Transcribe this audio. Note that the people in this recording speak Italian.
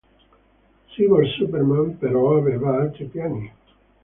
Cyborg Superman, però, aveva altri piani.